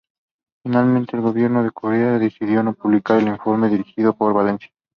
Finalmente el gobierno de Correa decidió no publicar el informe dirigido por Valencia.